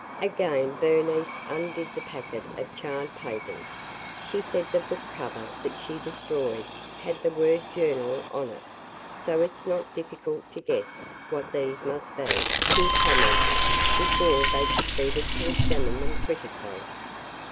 Again Bernice undid the packet of charred papers. "She said the book cover that she destroyed had the word 'Journal' on it, so it 's not difficult to guess what these must be," she commented, before they proceeded to examine them critically.